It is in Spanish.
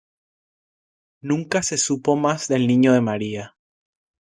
Nunca se supo más del niño de María.